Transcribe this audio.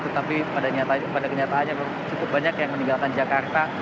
tetapi pada kenyataannya cukup banyak yang meninggalkan jakarta